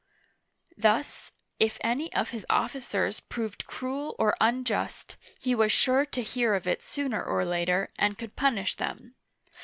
Thus, if any of his officers proved cruel or unjust, he was sure to hear of it sooner or later, and could punish them.